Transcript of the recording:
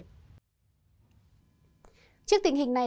trước tình hình này